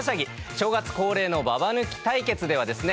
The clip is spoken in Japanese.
正月恒例のババ抜き対決ではですね